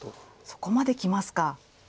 そこまできますか。